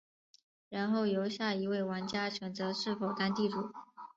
然后由下一位玩家选择是否当地主。